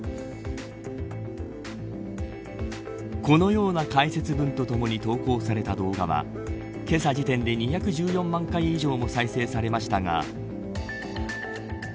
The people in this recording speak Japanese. このような解説文とともに投稿された動画はけさ時点で２１４万回以上も再生されましたが。